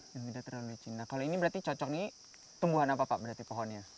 kalau ini berarti cocok tumbuhan apa pak berarti pohonnya